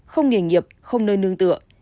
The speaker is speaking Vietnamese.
không nghề nghiệp không nơi nương tựa